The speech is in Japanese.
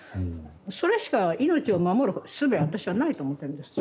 それしかいのちを守るすべは私はないと思ってるんです。